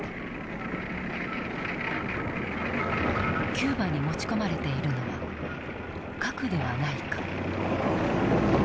キューバに持ち込まれているのは核ではないか。